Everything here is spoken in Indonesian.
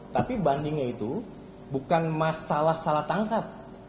tapi bandingnya itu bukan masalah salah tangkap